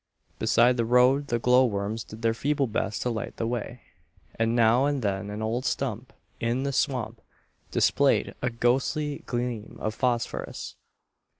Beside the road the glow worms did their feeble best to light the way; and now and then an old stump in the swamp displayed a ghostly gleam of phosphorus.